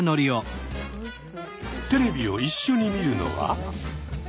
テレビを一緒に見るのは。